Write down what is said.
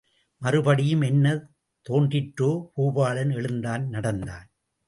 மறுபடியும் என்ன தோன்றிற்றோ, பூபாலன் எழுந்தான் நடந்தான்.